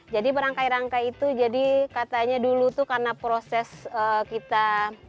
jadi berangkai rangkai itu katanya dulu karena proses kita